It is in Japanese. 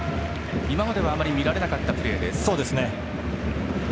今まではあまり見られなかったプレーでした。